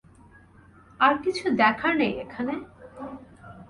আর কিছু দেখার নেই এখানে?